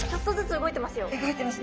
動いてますね。